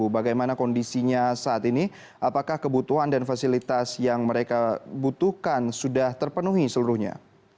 bagaimana kondisinya saat ini apakah kebutuhan dan fasilitas yang mereka butuhkan sudah terpenuhi seluruhnya